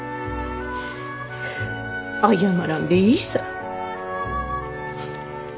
謝らんでいいさぁ。